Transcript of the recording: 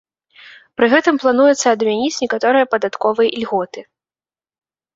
Пры гэтым плануецца адмяніць некаторыя падатковыя ільготы.